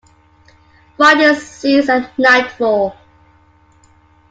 Fightings ceased at nightfall.